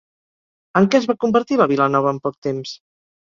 En què es va convertir la vila nova en poc temps?